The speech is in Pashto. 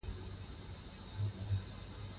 د واک تمرکز توازن له منځه وړي